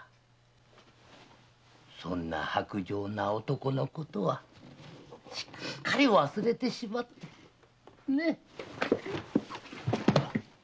そんな薄情な男のことはさっぱりと忘れてしまうがいい。